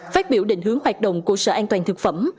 phát biểu định hướng hoạt động của sở an toàn thực phẩm